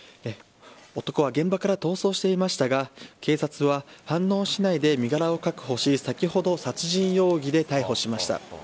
男は現場から逃走していましたが警察は飯能市内で身柄を確保し先ほど殺人容疑で逮捕しました。